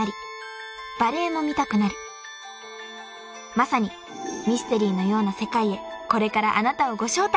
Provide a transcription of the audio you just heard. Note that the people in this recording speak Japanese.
［まさにミステリーのような世界へこれからあなたをご招待！］